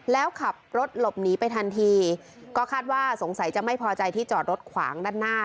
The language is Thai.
แล้วขับรถหลบหนีไปทันทีก็คาดว่าสงสัยจะไม่พอใจที่จอดรถขวางด้านหน้า